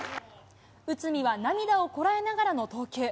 内海は涙をこらえながらの投球。